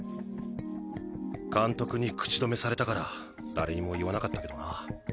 監督に口止めされたから誰にも言わなかったけどな。